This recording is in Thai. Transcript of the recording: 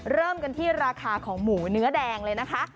เริ่มกันที่ราคาของหมูเนื้อแดงเลยนะคะ